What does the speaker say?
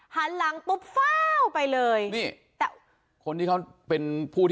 หันหลังตุ๊บฟ้าวไปเลย